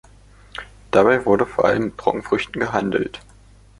Dabei wurde vor allem mit Trockenfrüchten gehandelt.